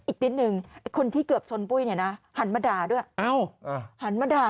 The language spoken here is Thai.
อีกนิดนึงคนที่เกิดชนปุ้ยเนี่ยนะวางมาดาด้วยเออวางมาดา